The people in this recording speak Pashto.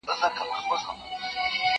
زه مينه څرګنده کړې ده!